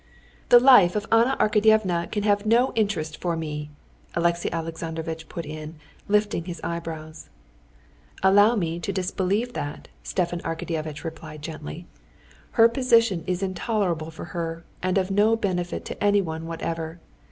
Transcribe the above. "The life of Anna Arkadyevna can have no interest for me," Alexey Alexandrovitch put in, lifting his eyebrows. "Allow me to disbelieve that," Stepan Arkadyevitch replied gently. "Her position is intolerable for her, and of no benefit to anyone whatever.